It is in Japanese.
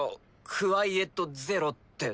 クワイエット・ゼロって。